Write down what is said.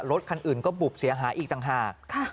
รถคันอื่นก็บุบเสียหายอีกต่างหาก